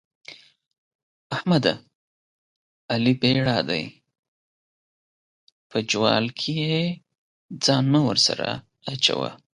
احمده؛ علي بېړا دی - په جوال کې ځان مه ورسره اچوه.